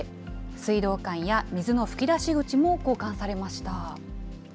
水道管や水の吹き出し口も交換されました。